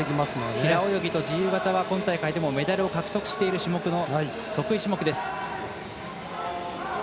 平泳ぎと自由形は今大会ではメダルを獲得している得意種目です。